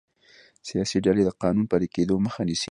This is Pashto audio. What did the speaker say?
سیاسي ډلې د قانون پلي کیدو مخه نیسي